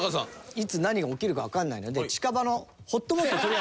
いつ何が起きるかわからないので。